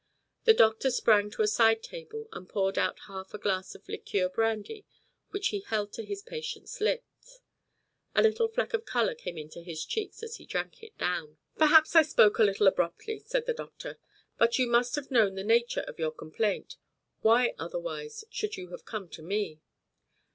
The doctor sprang to a side table and poured out half a glass of liqueur brandy which he held to his patient's lips. A little fleck of colour came into his cheeks as he drank it down. "Perhaps I spoke a little abruptly," said the doctor, "but you must have known the nature of your complaint. Why, otherwise, should you have come to me?"